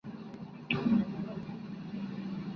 Es paralelo a otros similares, como el Rexurdimento gallego.